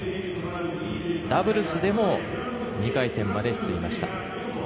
ダブルスでも２回戦まで進みました。